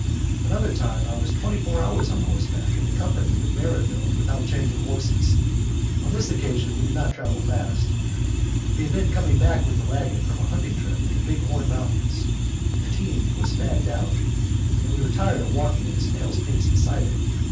Another time I was twenty four hours on horseback in company with Merrifield without changing horses. On this occasion we did not travel fast. We had been coming back with the wagon from a hunting trip in the Big Horn Mountains. The team was fagged out, and we were tired of walking at a snail's pace beside it.